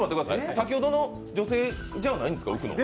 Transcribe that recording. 先ほどの女性じゃないんですか？